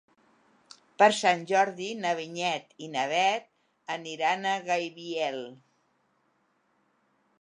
Per Sant Jordi na Vinyet i na Bet aniran a Gaibiel.